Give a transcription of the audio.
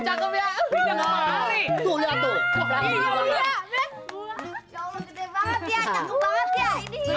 ya allah gede banget ya cakep banget ya